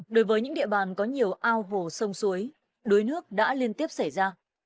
đối với những địa bàn có nhiều ao hồ sông suối đuối nước đã liên tiếp xảy ra